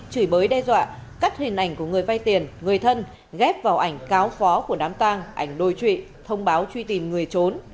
chửi bới đe dọa cắt hình ảnh của người vay tiền người thân ghép vào ảnh cáo khó của đám tang ảnh đối trụy thông báo truy tìm người trốn